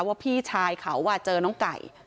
ว่าพี่ชายข่าวว่าเจอน้องไก่